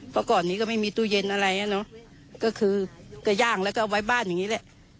เพราะก่อนนี้ก็ไม่มีตู้เย็นอะไรอ่ะเนอะก็คือก็ย่างแล้วก็เอาไว้บ้านอย่างนี้แหละ